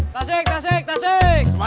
tasik tasik tasik